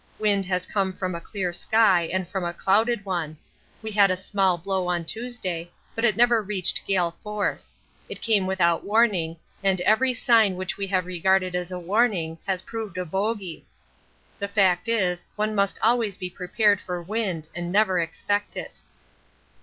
Wind has come from a clear sky and from a clouded one; we had a small blow on Tuesday but it never reached gale force; it came without warning, and every sign which we have regarded as a warning has proved a bogey. The fact is, one must always be prepared for wind and never expect it.